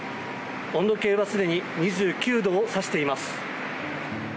温度計はすでに２９度を指しています。